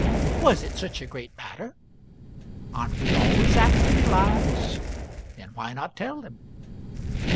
Was it such a great matter? Aren't we always acting lies? Then why not tell them?